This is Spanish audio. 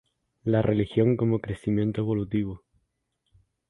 La religión como crecimiento evolutivo.